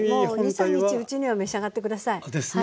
２３日のうちには召し上がって下さい。ですね。